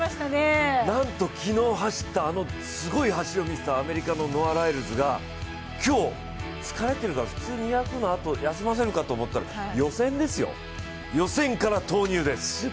なんと昨日走った、あのすごい走りを見せたアメリカのノア・ライルズが今日、疲れてるから普通、２００のあと休ませるかと思ったら予選ですよ、予選から投入です。